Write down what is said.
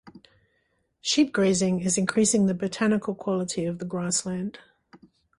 Sheep grazing is increasing the botanical quality of the grassland.